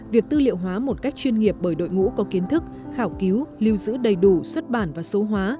việc tư liệu hóa một cách chuyên nghiệp bởi đội ngũ có kiến thức khảo cứu lưu giữ đầy đủ xuất bản và số hóa